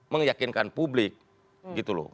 menyakinkan publik gitu loh